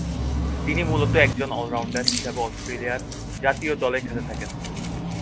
তিনি মুলত একজন অল-রাউন্ডার হিসেবে অস্ট্রেলিয়ার জাতীয় দলে খেলে থাকেন।